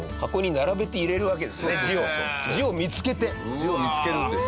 字を見つけるんです。